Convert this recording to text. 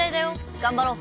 頑張ろう。